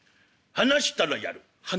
「話したらやる？